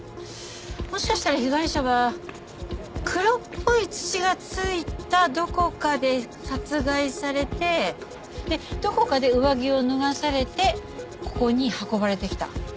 もしかしたら被害者は黒っぽい土が付いたどこかで殺害されてでどこかで上着を脱がされてここに運ばれてきた。